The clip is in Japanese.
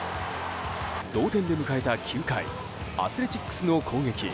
同点で迎えた９回アスレチックスの攻撃。